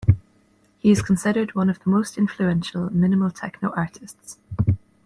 He is considered one of the most influential minimal techno artists.